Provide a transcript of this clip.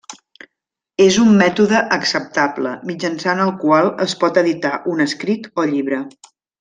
És un mètode acceptable mitjançant el qual es pot editar un escrit o llibre.